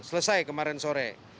selesai kemarin sore